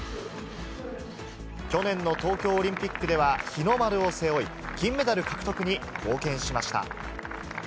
去年の東京オリンピックでは日の丸を背負い、金メダル獲得に貢献しました。